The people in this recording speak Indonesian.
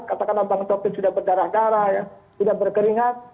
katakanlah bang taufik sudah berdarah darah ya sudah berkeringat